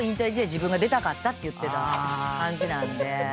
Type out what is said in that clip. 自分が出たかったって言ってた感じなんで。